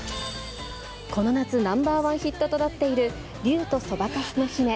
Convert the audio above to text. この夏ナンバー１ヒットとなっている竜とそばかすの姫。